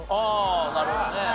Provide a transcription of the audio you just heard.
ああなるほどね。